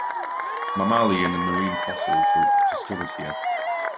Mammalian and Marine fossils were discovered here.